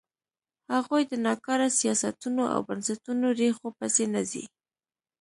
هغوی د ناکاره سیاستونو او بنسټونو ریښو پسې نه ځي.